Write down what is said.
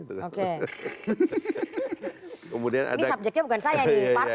ini subjeknya bukan saya nih partai